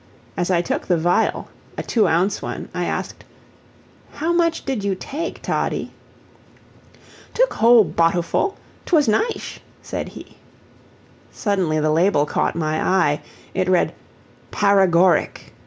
As I took the vial a two ounce one I asked: "How much did you take, Toddie?" "Took whole bottoo full twas nysh," said he. Suddenly the label caught my eye it read PAREGORIC.